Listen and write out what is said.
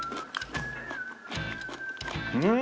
うん！